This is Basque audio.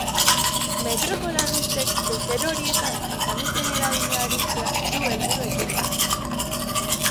Metroko lanuzteek bezero horietan izan duten eragina arintzea du helburu ekimenak.